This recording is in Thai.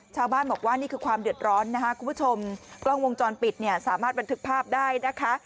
ชาวบ้านบอกว่านี่คือความเดือดร้อนนะคะคุณผู้ชมกล้องวงจรปิดเนี่ยสามารถบันทึกภาพได้นะคะ